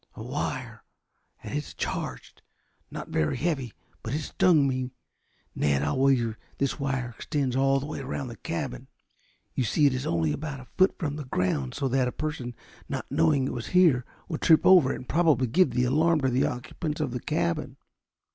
"A wire, and it's charged. Not very heavy, but it stung me. Ned, I'll wager that this wire extends all the way around this cabin. You see it is only about a foot from the ground so that a person not knowing it was here would trip over it and probably give the alarm to the occupants of the cabin.